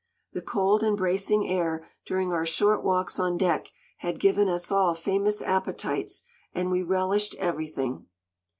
The cold and bracing air during our short walks on deck had given us all famous appetites, and we relished everything.